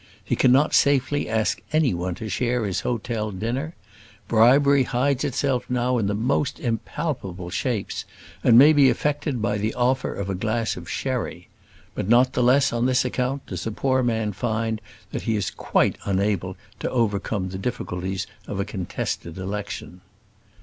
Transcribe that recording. He cannot safely ask any one to share his hotel dinner. Bribery hides itself now in the most impalpable shapes, and may be effected by the offer of a glass of sherry. But not the less on this account does a poor man find that he is quite unable to overcome the difficulties of a contested election.